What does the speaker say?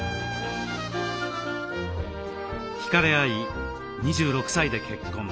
ひかれ合い２６歳で結婚。